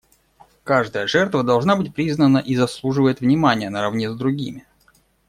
Каждая жертва должна быть признана и заслуживает внимания наравне с другими.